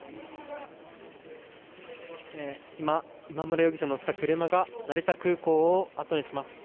今、今村容疑者を乗せた車が成田空港をあとにします。